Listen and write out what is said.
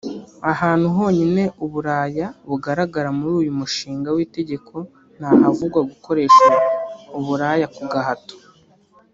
Ahantu honyine uburaya bugaragara muri uyu mushinga w’itegeko ni ahavugwa ‘gukoresha uburaya ku gahato’